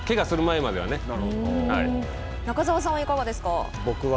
中澤さんはいかがですか。